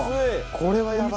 これはやばい！